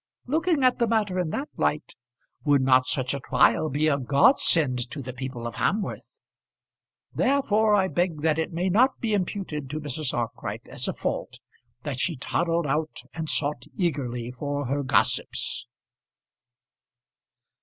Looking at the matter in that light, would not such a trial be a godsend to the people of Hamworth? Therefore I beg that it may not be imputed to Mrs. Arkwright as a fault that she toddled out and sought eagerly for her gossips.